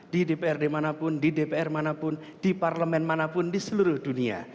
di dprd manapun di dpr manapun di parlemen manapun di seluruh dunia